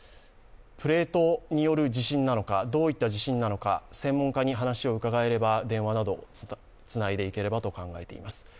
プレートによる地震なのかどういった地震なのか専門家に話を伺えれば、電話などつないでいければと考えています。